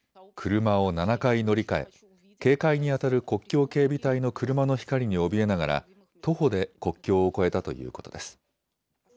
車を７回乗り換え警戒にあたる国境警備隊の車の光におびえながら徒歩で国境を越えたということです。